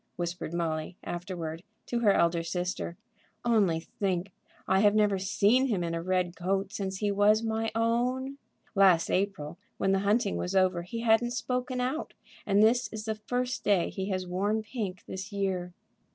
whispered Molly, afterward, to her elder sister. "Only think; I have never seen him in a red coat since he was my own. Last April, when the hunting was over, he hadn't spoken out; and this is the first day he has worn pink this year."